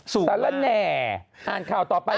สรรแลนแห่อ่านข่าวต่อไป